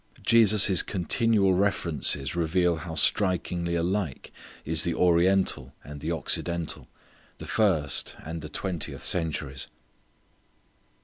Jesus' continual references reveal how strikingly alike is the oriental and the occidental; the first and the twentieth centuries.